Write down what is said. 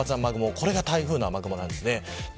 これが台風の雨雲です。